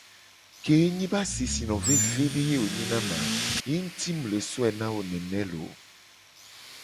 Ke enyi be asisino vevede ye wo nyi na mu a ye nguti mu le so wo na wo nene looo.